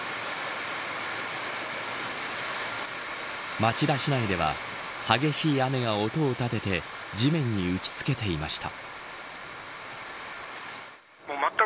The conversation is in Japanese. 町田市内では激しい雨が音を立てて地面に打ちつけていました。